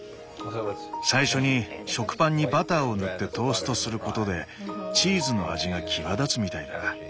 最初に食パンにバターを塗ってトーストすることでチーズの味が際立つみたいだ。